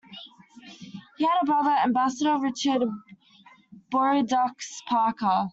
He had a brother, Ambassador Richard Bordeaux Parker.